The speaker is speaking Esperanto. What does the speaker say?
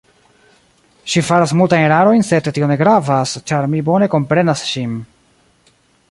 Ŝi faras multajn erarojn, sed tio ne gravas, ĉar mi bone komprenas ŝin.